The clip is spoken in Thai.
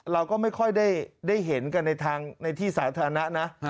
เราก็ไม่ค่อยได้เห็นกันในที่สาธารณะนะ